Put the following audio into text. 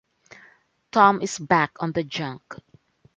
Tom is back on the junk.